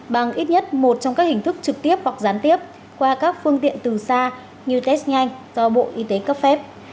bằng ít nhất một trong các hình thức trực tiếp hoặc gián tiếp qua các phương tiện từ xa như test nhanh do bộ y tế cấp phép